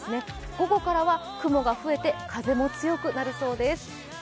午後からは雲が増えて風も強くなるそうです。